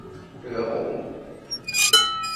เรือหงส์